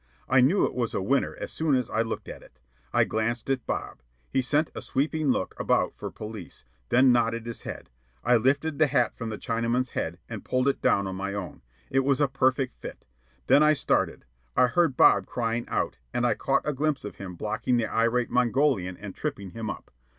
I knew it was a winner as soon as I looked at it. I glanced at Bob. He sent a sweeping look about for police, then nodded his head. I lifted the hat from the Chinaman's head and pulled it down on my own. It was a perfect fit. Then I started. I heard Bob crying out, and I caught a glimpse of him blocking the irate Mongolian and tripping him up.